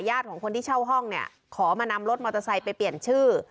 ของคนที่เช่าห้องเนี่ยขอมานำรถมอเตอร์ไซค์ไปเปลี่ยนชื่อ